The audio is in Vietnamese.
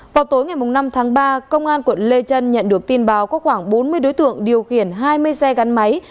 vào tối ngày năm tháng ba công an quận lê trân nhận được tin báo có khoảng bốn mươi đối tượng điều khiển hai mươi xe gắn máy